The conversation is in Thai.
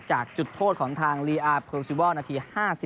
จากจุดโทษของทางลีอาร์เพลินซิวอลนาที๕๐